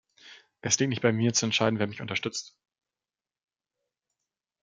Es liegt nicht bei mir zu entscheiden, wer mich unterstützt.